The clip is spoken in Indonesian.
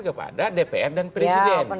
kepada dpr dan presiden